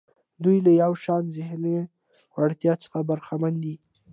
دوی له یو شان ذهني وړتیا څخه برخمن دي.